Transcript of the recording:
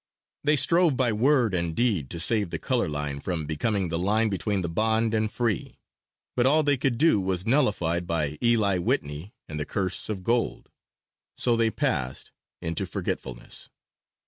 They strove by word and deed to save the color line from becoming the line between the bond and free, but all they could do was nullified by Eli Whitney and the Curse of Gold. So they passed into forgetfulness.